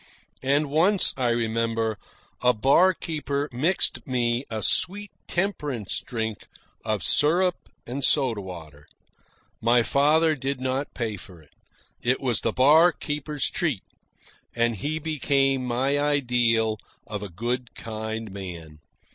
And once, I remember, a barkeeper mixed me a sweet temperance drink of syrup and soda water. My father did not pay for it. It was the barkeeper's treat, and he became my ideal of a good, kind man.